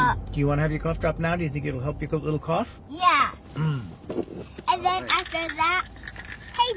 ・うん。